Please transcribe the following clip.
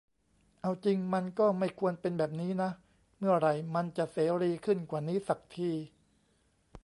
เอาจริงมันก็ไม่ควรเป็นแบบนี้นะ เมื่อไหร่มันจะเสรีขึ้นกว่านี้สักที